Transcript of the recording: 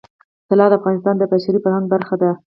طلا د افغانستان د بشري فرهنګ برخه ده.